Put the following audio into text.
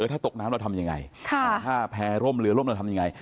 ถ้าตกน้ำเราทำอย่างไรถ้าแพร่ร่มเหลือร่มเราทำอย่างไร